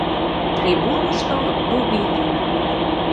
Трибунышто Дубинин.